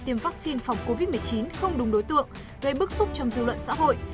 tiêm vaccine phòng covid một mươi chín không đúng đối tượng gây bức xúc trong dư luận xã hội